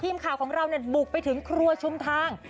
พี่มคาวของเราเนี่ยบุกไปถึงครัวชุมทาง